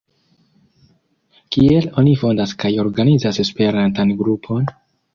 Kiel oni fondas kaj organizas Esperantan Grupon?